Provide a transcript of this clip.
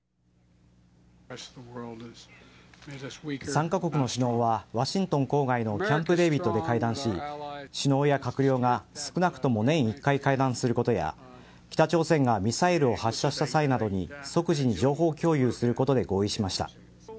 ３カ国の首脳はワシントン郊外のキャンプデービッドで会談し首脳や閣僚が少なくとも年１回会談することや北朝鮮がミサイルを発射した際などに即時に情報共有することで合意しました。